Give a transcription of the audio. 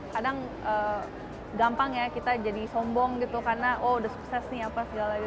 kadang gampang ya kita jadi sombong gitu karena oh udah sukses nih apa segala gitu